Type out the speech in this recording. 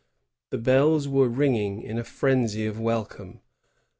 The bells were ringing in a frenzy of wel come.